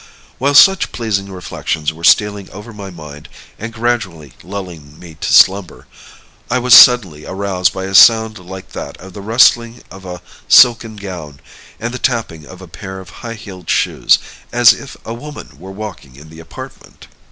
"While such pleasing reflections were stealing over my mind, and gradually lulling me to slumber, I was suddenly aroused by a sound like that of the rustling of a silken gown, and the tapping of a pair of high heeled shoes, as if a woman were walking in the apartment.